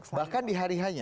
bahkan di hari hanya